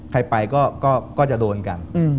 ใครไปก็จะโดนกัน